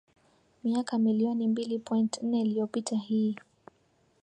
miaka milioni mbili point nne iliyopita Hii